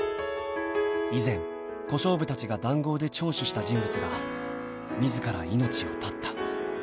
［以前小勝負たちが談合で聴取した人物が自ら命を絶った］